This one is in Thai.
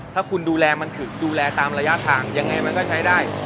ถ้าคุณดูแลมันถึงดูแลตามระยะทางยังไงมันก็ใช้ได้